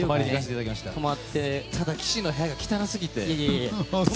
ただ岸の部屋が汚すぎて。